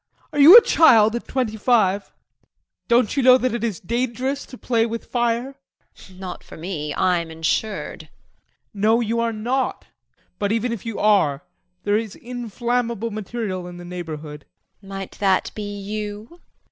Are you a child at twenty five? Don't you know that it is dangerous to play with fire? JULIE. Not for me. I am insured! JEAN. No, you are not. But even if you are, there is inflammable material in the neighborhood. JULIE. Might that be you?